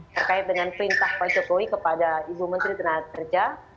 terkait dengan perintah pak jokowi kepada ibu menteri tenaga kerja